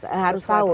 tentu harus tahu